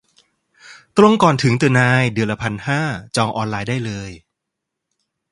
ตรงก่อนถึงเดอะไนน์ เดือนละพันห้า จองออนไลน์ได้เลย